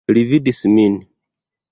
Li vidis min.